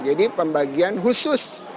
jadi pembagian khusus